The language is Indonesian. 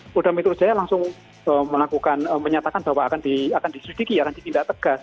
polda metro jaya langsung melakukan menyatakan bahwa akan diselidiki akan ditindak tegas